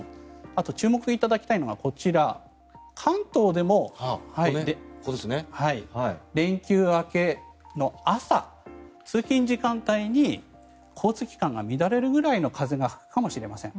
あと、注目していただきたいのが関東でも、連休明けの朝通勤時間帯に交通機関が乱れるくらいの風が吹くかもしれません。